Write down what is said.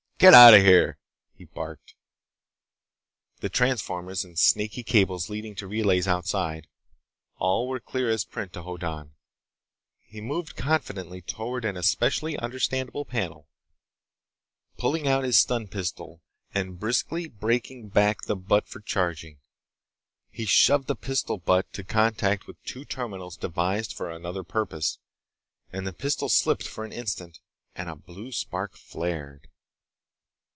"Get outta here!" he barked. The transformers and snaky cables leading to relays outside—all were clear as print to Hoddan. He moved confidently toward an especially understandable panel, pulling out his stun pistol and briskly breaking back the butt for charging. He shoved the pistol butt to contact with two terminals devised for another purpose, and the pistol slipped for an instant and a blue spark flared.